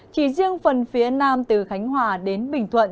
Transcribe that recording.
chỉ riêng phần phía nam từ khánh hòa đến bình thuận